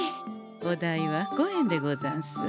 お代は５円でござんす。